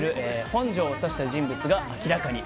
本庄を刺した人物が明らかに。